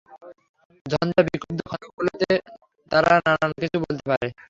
ঝঞ্জা-বিক্ষুদ্ধ ক্ষণগুলোতে তারা নানান কিছু বলতে পারে!